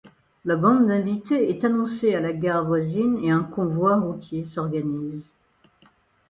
La bande d'invités est annoncée à la gare voisine et un convoi routier s'organise.